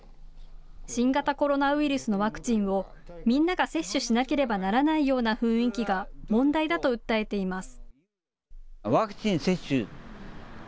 新型コロナウイルスのワクチンをみんなが接種しなければならないような雰囲気が問題だと訴えています。